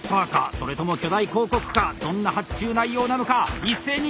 それとも巨大広告かどんな発注内容なのか一斉にゲラをめくる！